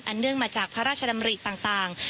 เนื่องมาจากพระราชดำริต่าง